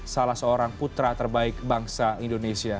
salah seorang putra terbaik bangsa indonesia